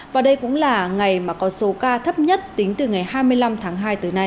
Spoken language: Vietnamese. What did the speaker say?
và đây cũng là ngày mà có số ca thấp nhất tính từ ngày hai mươi năm tháng hai tới nay